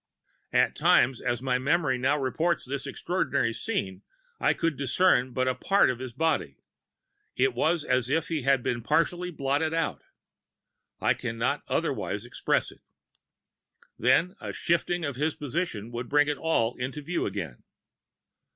At times, as my memory now reports this extraordinary scene, I could discern but a part of his body; it was as if he had been partly blotted out I can not otherwise express it then a shifting of his position would bring it all into view again.